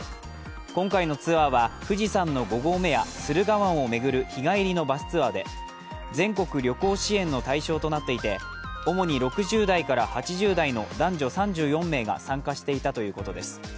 今回のツアーは富士山の５合目や駿河湾を巡る日帰りのバスツアーで全国旅行支援の対象となっていて主に６０代から８０代の男女３４名が参加していたということです。